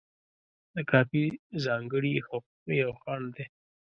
د کاپي ځانګړي حقوق یو خنډ دی.